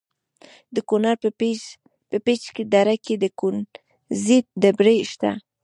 د کونړ په پيچ دره کې د کونزیټ ډبرې شته.